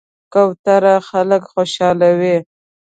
کوتره خلک خوشحالوي.